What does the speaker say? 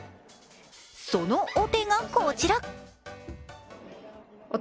そのお手が、こちら。